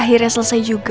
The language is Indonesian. akhirnya selesai juga